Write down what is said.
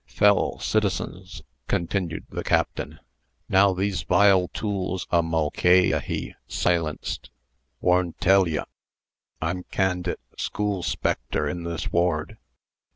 "FELL' CITIZENS!" continued the Captain, "now these vile tools o' Mulca a hy silenced, warntellye I'm can'date School 'Spector in this ward.